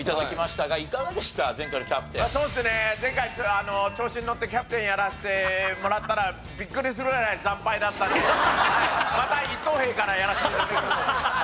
前回調子に乗ってキャプテンやらせてもらったらビックリするぐらい惨敗だったんでまた一等兵からやらせて頂きます。